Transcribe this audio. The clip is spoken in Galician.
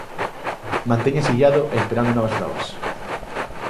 Mantéñase illado e esperando novas probas.